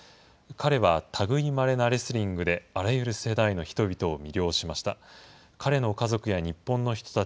彼はたぐいまれなレスリングであらゆる世代の人々を魅了しました。